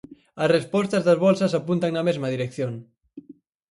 As respostas das bolsas apuntan na mesma dirección.